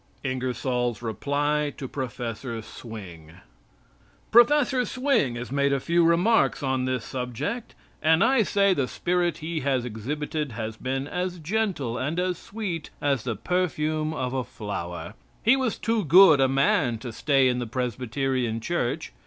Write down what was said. INGERSOLL'S REPLY TO PROF. SWING Prof. Swing has made a few remarks on this subject, and I say the spirit he has exhibited has been as gentle and as sweet as the perfume of a flower. He was too good a man to stay in the Presbyterian church.